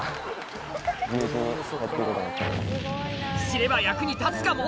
知れば役に立つかも？